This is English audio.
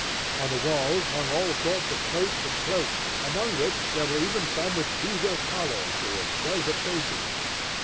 On the walls hung all sorts of coats and cloaks, among which there were even some with beaver collars, or velvet facings.